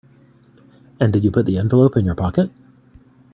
And did you put the envelope in your pocket?